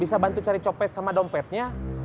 bisa bantu cari copet sama dompetnya